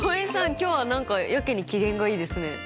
今日は何かやけに機嫌がいいですね。